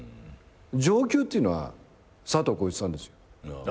上級っていうのは佐藤浩市さんですよ。